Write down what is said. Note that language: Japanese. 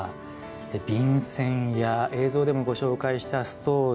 便箋や、映像でもご紹介したストール。